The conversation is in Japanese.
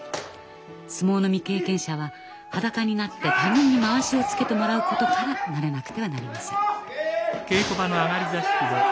相撲の未経験者は裸になって他人にまわしをつけてもらうことから慣れなくてはなりません。